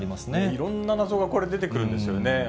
いろんな謎がこれ、出てくるんですよね。